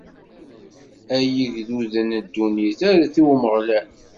Ay igduden n ddunit, rret i Umeɣlal.